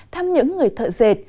thăm những người thợ dệt